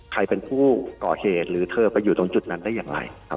ใครเป็นผู้ก่อเหตุหรือเธอไปอยู่ตรงจุดนั้นได้อย่างไรครับ